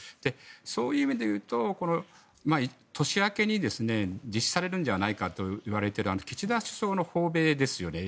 そういう意味で言うとこの年明けに実施されるんじゃないかといわれている岸田首相の訪米ですよね。